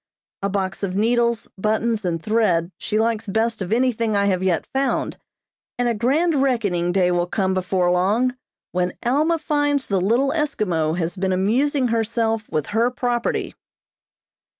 A box of needles, buttons and thread she likes best of anything I have yet found, and a grand reckoning day will come before long when Alma finds the little Eskimo has been amusing herself with her property.